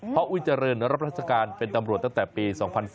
อุ้ยเจริญรับราชการเป็นตำรวจตั้งแต่ปี๒๔